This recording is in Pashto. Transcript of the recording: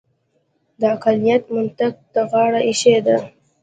د عقلانیت منطق ته غاړه اېښې ده.